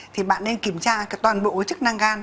thì bạn nên kiểm tra toàn bộ cái chức năng gan